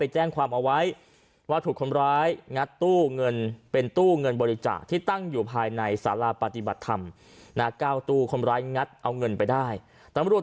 เจ้งความเอาไว้ว่าถูกคนหมายเป็นตู้เงินบริจาที่ตั้งอยู่ภายในสาราปฏิบัติธรรม